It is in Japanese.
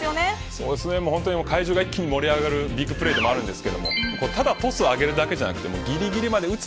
そうですね、会場が盛り上がるビッグプレーでもあるんですけどただトスを上げるだけじゃなくてぎりぎりまで打つ